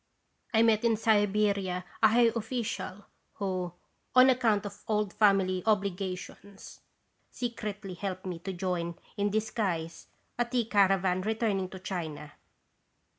I met in Siberia a high official, who, on account of old family obligations, secretly helped me to join, in disguise, a tea caravan returning to China.